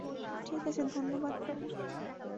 ঠিক আছে, ধন্যবাদ, টম।